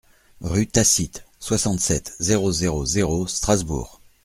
Rue Tacite, soixante-sept, zéro zéro zéro Strasbourg